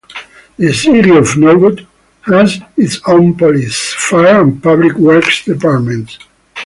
The City of Norwood has its own police, fire, and public works departments.